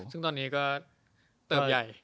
ซึ่งตอนนี้ก็เติบใหญ่